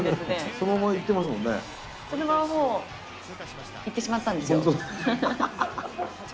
そのままもう行ってしまったんですよ。